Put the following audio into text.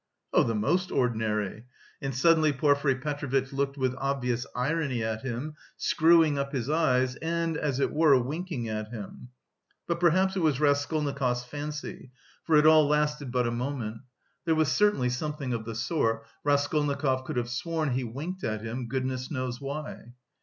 "Oh, the most ordinary," and suddenly Porfiry Petrovitch looked with obvious irony at him, screwing up his eyes and, as it were, winking at him. But perhaps it was Raskolnikov's fancy, for it all lasted but a moment. There was certainly something of the sort, Raskolnikov could have sworn he winked at him, goodness knows why.